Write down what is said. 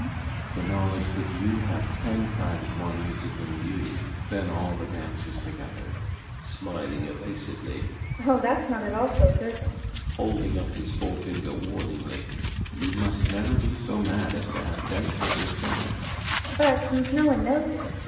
The knowledge that you have ten times more music in you than all the dancers together. FRIDA. [Smiling evasively.] Oh, that's not at all so certain. BORKMAN. [Holding up his fore finger warningly.] You must never be so mad as to have doubts of yourself! FRIDA. But since no one knows it BORKMAN.